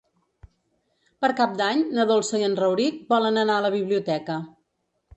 Per Cap d'Any na Dolça i en Rauric volen anar a la biblioteca.